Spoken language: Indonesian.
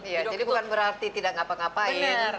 jadi bukan berarti tidak ngapa ngapain